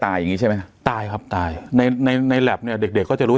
อย่างงี้ใช่ไหมตายครับตายในในแล็บเนี้ยเด็กเด็กก็จะรู้